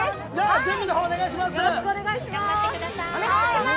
準備の方お願いします。